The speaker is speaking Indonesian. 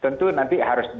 tentu nanti harus di